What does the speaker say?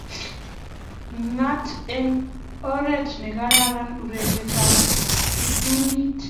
Naat eng' oret ne kararan urerietab kiptulit